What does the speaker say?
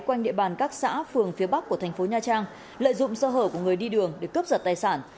quanh địa bàn các xã phường phía bắc của thành phố nha trang lợi dụng sơ hở của người đi đường để cướp giật tài sản